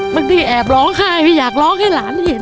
บางทีแอบร้องไห้อยากร้องให้หลานเห็น